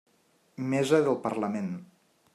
Mesa del Parlament.